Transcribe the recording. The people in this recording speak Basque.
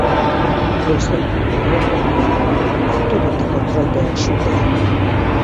Goizeko lehen ordurako hartu dute kontrolpean sutea.